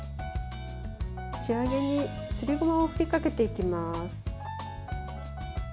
仕上げにすりごまを振りかけていきます。